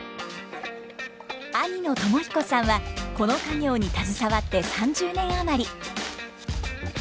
兄の友彦さんはこの家業に携わって３０年余り。